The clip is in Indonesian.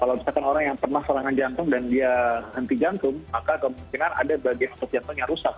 kalau misalkan orang yang pernah serangan jantung dan dia henti jantung maka kemungkinan ada bagian otot jantung yang rusak